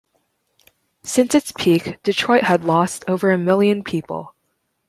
Since its peak, Detroit had lost over a million people.